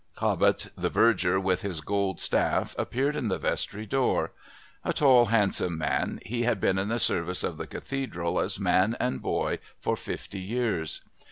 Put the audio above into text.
Cobbett, the Verger, with his gold staff, appeared in the Vestry door. A tall handsome man, he had been in the service of the Cathedral as man and boy for fifty years.